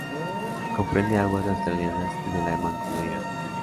Comprende aguas australianas y de la mancomunidad.